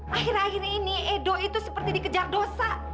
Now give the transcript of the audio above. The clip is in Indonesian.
akhir akhir ini edo itu seperti dikejar dosa